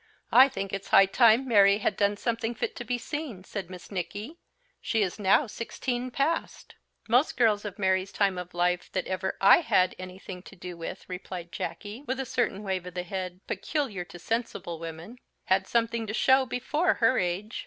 "I think it's high time Mary had done something fit to be seen," said Miss Nicky; "she is now sixteen past." "Most girls of Mary's time of life that ever I had anything to do with," replied Jacky, with a certain wave of the head, peculiar to sensible women, "had something to show before her age.